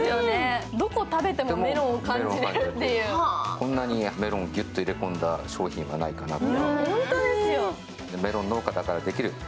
こんなにメロンをギュッと入れ込んだ商品はないかなと。